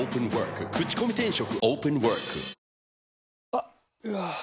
あっ、うわー。